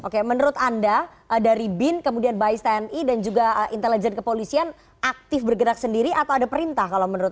oke menurut anda dari bin kemudian bais tni dan juga intelijen kepolisian aktif bergerak sendiri atau ada perintah kalau menurut